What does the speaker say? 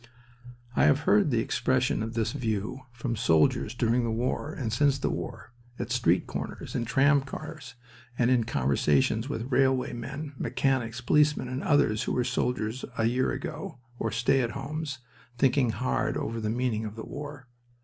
I have heard the expression of this view from soldiers during the war and since the war, at street corners, in tram cars, and in conversations with railway men, mechanics, policemen, and others who were soldiers a year ago, or stay at homes, thinking hard over the meaning of the war.